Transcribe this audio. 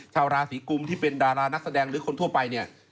ชาวราศีกุมที่เป็นดารานักแสดงหรือคนทั่วไปเนี่ย